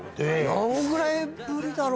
どれぐらいぶりだろ？